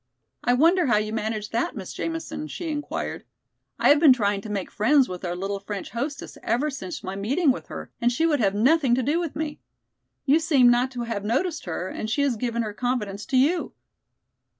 "I wonder how you managed that, Miss Jamison?" she inquired. "I have been trying to make friends with our little French hostess ever since my meeting with her and she would have nothing to do with me. You seem not to have noticed her and she has given her confidence to you."